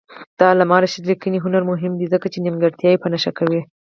د علامه رشاد لیکنی هنر مهم دی ځکه چې نیمګړتیاوې په نښه کوي.